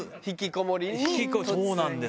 そうなんです。